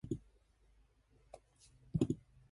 During a test drive, he began to experience chest pains.